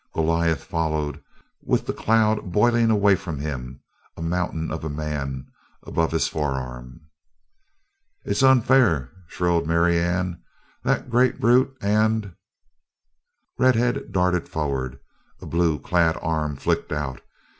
Goliath followed with the cloud boiling away from him, a mountain of a man above his foeman. "It's unfair!" shrilled Marianne. "That great brute and " Red head darted forward, a blue clad arm flicked out.